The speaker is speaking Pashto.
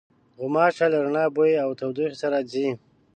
غوماشې له رڼا، بوی او تودوخې سره ځي.